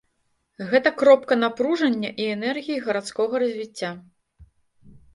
Гэта кропка напружання і энергіі гарадскога развіцця.